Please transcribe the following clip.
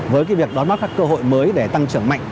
với việc đón bắt các cơ hội mới để tăng trưởng mạnh